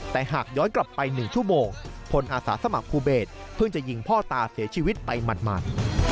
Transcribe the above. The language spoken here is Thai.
แต่หากย้อนกลับไป๑ชั่วโมงพลอาสาสมัครภูเบศเพิ่งจะยิงพ่อตาเสียชีวิตไปหมัด